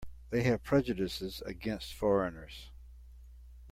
They have prejudices against foreigners.